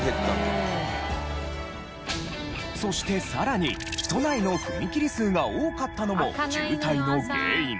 そしてさらに都内の踏切数が多かったのも渋滞の原因。